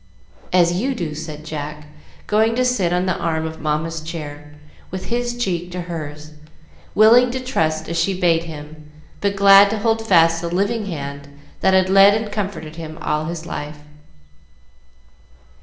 "As you do," said Jack, going to sit on the arm of Mamma's chair, with his cheek to hers, willing to trust as she bade him, but glad to hold fast the living hand that had led and comforted him all his life.